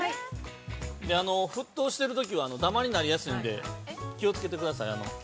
◆沸騰してるときはダマになりやすいんで、気をつけてください。